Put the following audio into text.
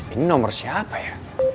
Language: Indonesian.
ini nomor siapa ya